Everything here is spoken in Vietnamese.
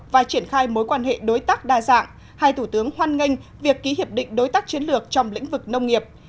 và triển khai mối quan hệ đối tác đa dạng hai thủ tướng hoan nghênh việc ký hiệp định đối tác chiến lược trong lĩnh vực nông nghiệp